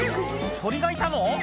鳥がいたの？